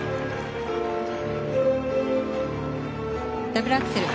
ダブルアクセル。